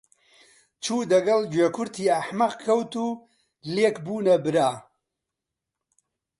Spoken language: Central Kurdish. چوو دەگەڵ گوێ کورتی ئەحمەق کەوت و لێک بوونە برا